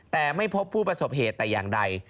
แต่ไม่พบผู้ประสบเหตุแต่อย่างใด